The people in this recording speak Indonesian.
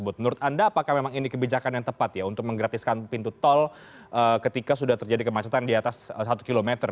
menurut anda apakah memang ini kebijakan yang tepat ya untuk menggratiskan pintu tol ketika sudah terjadi kemacetan di atas satu km